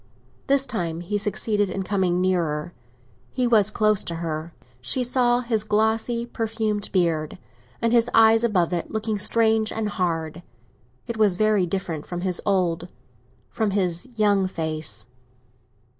This time he succeeded in coming nearer—he was close to her; she saw his glossy perfumed beard, and his eyes above it looking strange and hard. It was very different from his old—from his young—face.